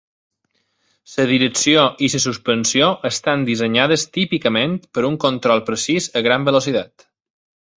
La direcció i la suspensió estan dissenyades típicament per un control precís a gran velocitat.